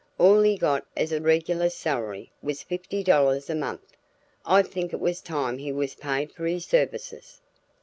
All he got as a regular salary was fifty dollars a month; I think it was time he was paid for his services."